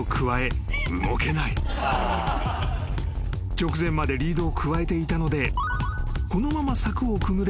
［直前までリードをくわえていたので］